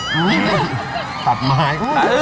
จดไม้